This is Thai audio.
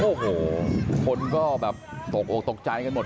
โอ้โหคนก็เผาตกใจกันหมด